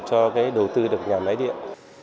cho cái đầu tư được nhà máy điện